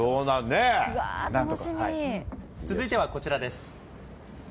続いてはこちらです。